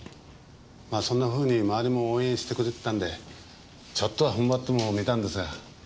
まあそんなふうに周りも応援してくれてたんでちょっとは踏ん張ってもみたんですが。